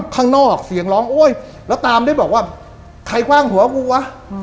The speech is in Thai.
ข้างนอกเสียงร้องโอ๊ยแล้วตามได้บอกว่าใครคว่างหัวกูวะ